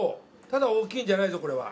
ただ大きいんじゃないぞこれは。